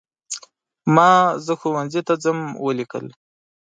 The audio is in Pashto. ما "زه ښوونځي ته ځم" ولیکل.